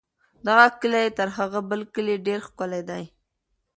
دغه کلی تر هغه بل کلي ډېر ښکلی دی.